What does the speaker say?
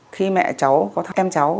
khi mẹ cháu có thăm em cháu